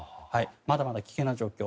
まだまだ危険な状況。